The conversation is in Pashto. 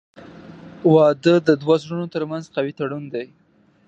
• واده د دوه زړونو ترمنځ قوي تړون دی.